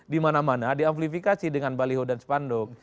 dimana mana diamplifikasi dengan baliho dan spanduk